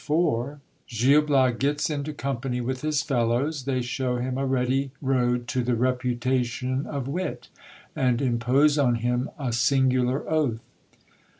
— Gil Bias gets into company with his fellows ; they shew him a ready road to the reputation of wit, and impose on him a singular oath.